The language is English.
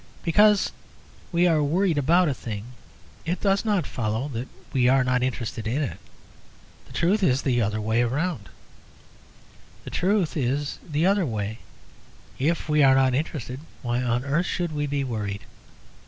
Because we are worried about a thing, it does not follow that we are not interested in it. The truth is the other way. If we are not interested, why on earth should we be worried?